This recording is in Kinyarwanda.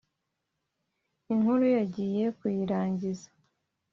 inkuru yagiye kuyirangiza